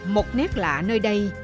một nét lạ nơi đây